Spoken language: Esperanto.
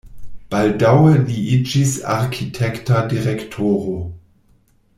Baldaŭe li iĝis arkitekta direktoro.